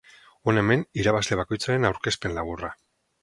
Hona hemen irabazle bakoitzaren aurkezpen laburra.